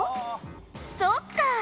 「そっか！